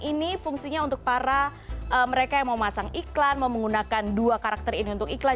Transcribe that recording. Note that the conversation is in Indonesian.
ini fungsinya untuk para mereka yang mau masang iklan mau menggunakan dua karakter ini untuk iklan